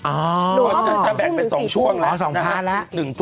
อ่า